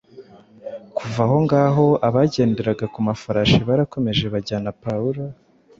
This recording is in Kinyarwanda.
Kuva ahongaho, abagenderaga ku mafarashi barakomeje bajyana Pawulo